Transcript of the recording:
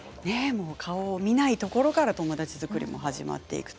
顔を見ないところから友達作りも始まっていると。